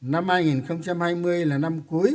năm hai nghìn hai mươi là năm cuối